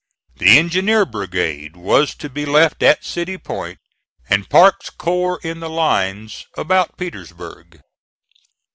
The engineer brigade was to be left at City Point, and Parke's corps in the lines about Petersburg.